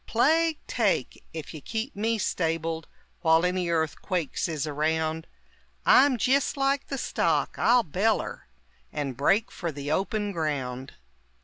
Plague take! ef you keep me stabled While any earthquakes is around! I'm jist like the stock, I'll beller, And break fer the open ground!